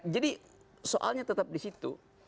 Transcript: jadi soalnya tetap disitu